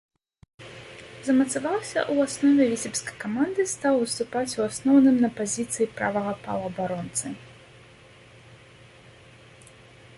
Замацаваўся ў аснове віцебскай каманды, стаў выступаць у асноўным на пазіцыі правага паўабаронцы.